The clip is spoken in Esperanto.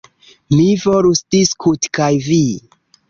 Mi volus diskuti kaj vi.